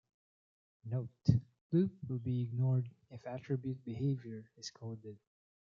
Note: 'Loop' will be ignored if attribute 'Behavior' is coded.